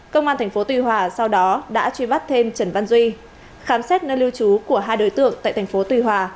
công an thành phố tuy hòa sau đó đã truy vắt thêm trần văn duy khám xét nơi lưu trú của hai đối tượng tại thành phố tuy hòa